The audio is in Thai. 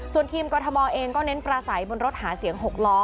ส่วนทีมกรทมเองก็เน้นปราศัยบนรถหาเสียง๖ล้อ